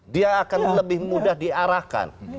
dia akan lebih mudah diarahkan